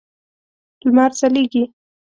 لمر ځلیږی